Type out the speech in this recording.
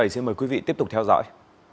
xin mời quý vị tiếp tục theo dõi